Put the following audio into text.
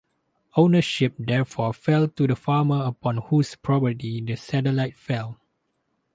Ownership therefore fell to the farmer upon whose property the satellite fell.